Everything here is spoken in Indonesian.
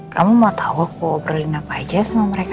kamu mau tau aku ngobrolin apa aja sama mereka